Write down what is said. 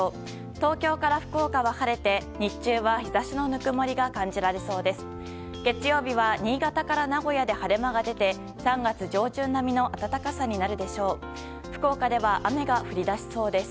東京から福岡は晴れて日中は日差しのぬくもりが感じられそうです。